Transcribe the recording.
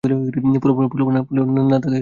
পুলাপান না-থাকাই তোর জন্য ভােলা।